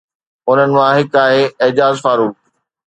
انهن مان هڪ آهي اعجاز فاروق.